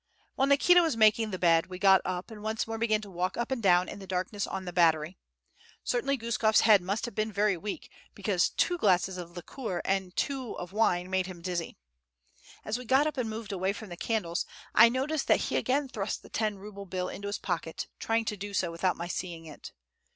While Nikita was making the bed, we got up, and once more began to walk up and down in the darkness on the battery. Certainly Guskof's head must have been very weak, because two glasses of liquor and two of wine made him dizzy. As we got up and moved away from the candles, I noticed that he again thrust the ten ruble bill into his pocket, trying to do so without my seeing it.